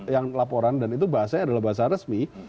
yang laporan dan itu bahasanya adalah bahasa resmi